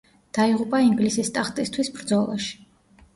დაიღუპა ინგლისის ტახტისთვის ბრძოლაში.